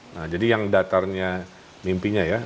nah jadi yang datarnya mimpinya ya